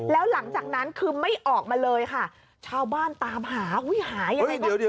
แล้วหลังจากนั้นคือไม่ออกมาเลยค่ะชาวบ้านตามหาอุ้ยหายังไงเนี่ย